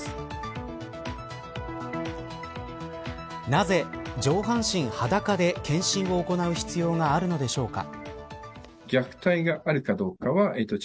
なぜ上半身裸で健診を行う必要があるのでしょうか。